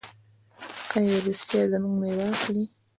آیا روسیه زموږ میوه اخلي؟